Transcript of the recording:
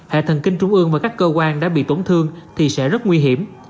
hệ thần kinh trung ương và các cơ quan đã bị tổn thương thì sẽ rất nguy hiểm